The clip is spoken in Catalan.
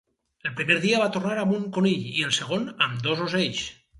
El primer dia va tornar amb un conill, i el segon, amb dos ocells.